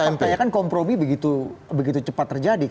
tapi pak taya kan komprobi begitu cepat terjadi